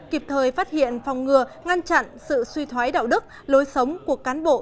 kịp thời phát hiện phòng ngừa ngăn chặn sự suy thoái đạo đức lối sống của cán bộ